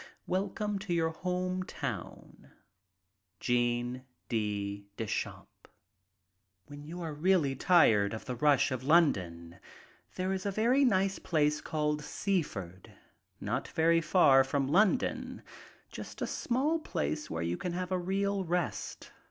Wel come to your home town. — ^Jean D. Deschamps." "When you are really tired of the rush of London there is a very nice little place called Seaford, not very far from London, just a small place where you can have a real rest.